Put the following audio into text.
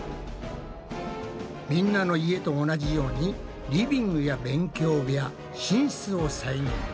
みんなの家と同じようにリビングや勉強部屋寝室を再現。